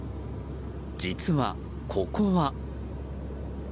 実はここは。